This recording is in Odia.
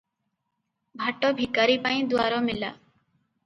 ଭାଟ ଭିକାରୀପାଇଁ ଦ୍ୱାର ମେଲା ।